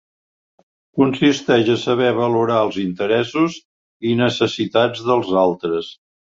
Consisteix a saber valorar els interessos i necessitats dels altres.